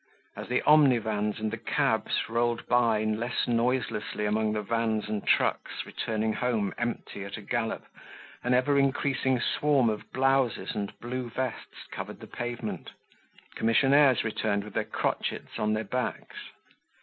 As the omnivans and the cabs rolled by less noiselessly among the vans and trucks returning home empty at a gallop, an ever increasing swarm of blouses and blue vests covered the pavement. Commissionaires returned with their crotchets on their backs.